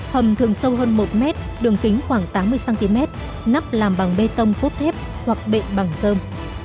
hầm thường sâu hơn một mét đường kính khoảng tám mươi cm nắp làm bằng bê tông cốt thép hoặc bệ bằng sơn